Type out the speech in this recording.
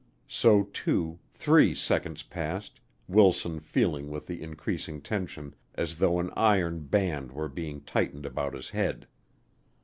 So two, three seconds passed, Wilson feeling with the increasing tension as though an iron band were being tightened about his head.